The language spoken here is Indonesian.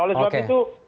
oleh sebab itu